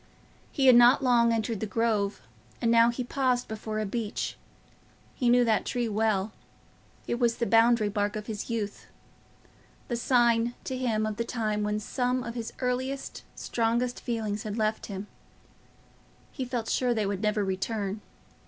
He had not long entered the Grove, and now he paused before a beech. He knew that tree well; it was the boundary mark of his youth—the sign, to him, of the time when some of his earliest, strongest feelings had left him. He felt sure they would never return.